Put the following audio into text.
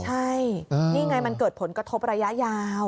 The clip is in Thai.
ใช่นี่ไงมันเกิดผลกระทบระยะยาว